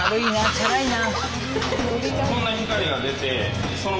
チャラいな。